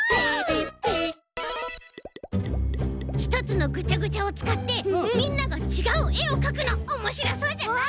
ひとつのぐちゃぐちゃをつかってみんながちがうえをかくのおもしろそうじゃない？